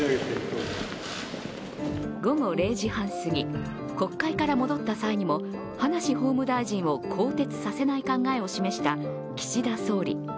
午後０時半すぎ、国会から戻った際にも葉梨法務大臣を更迭させない考えを示した岸田総理。